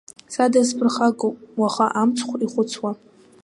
Са дысԥырхагоуп уаха амцхә ихәыцуа.